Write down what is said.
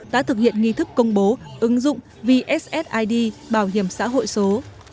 đã thực hiện nghi thức công bố ứng dụng vssid bảo hiểm xã hội số